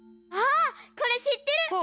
あっこれしってる！